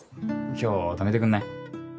今日泊めてくんない？